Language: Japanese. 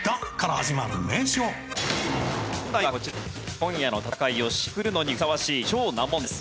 「今夜の戦いを締めくくるのにふさわしい超難問です」